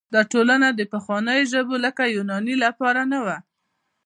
دا ټولنه د پخوانیو ژبو لکه یوناني لپاره نه وه.